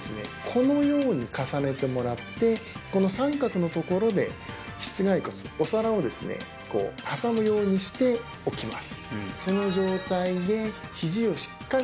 このように重ねてもらってこの三角のところで膝蓋骨お皿をですねこう挟むようにして置きます